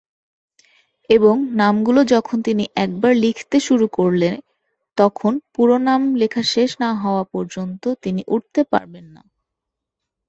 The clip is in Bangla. এবং নামগুলো যখন তিনি একবার লিখতে শুরু করলে, তখন পুরো নাম লিখা শেষ না করা পর্যন্ত তিনি উঠতে পারবেন না।